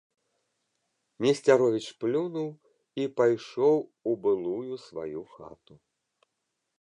Несцяровіч плюнуў і пайшоў у былую сваю хату.